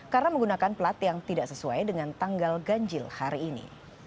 karena menggunakan plat yang tidak sesuai dengan tanggal ganjil hari ini